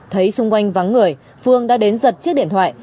thấy xung quanh vắng người phương đã đến giật chiếc điện thoại